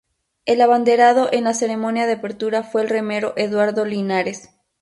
El abanderado en la ceremonia de apertura fue el remero Eduardo Linares.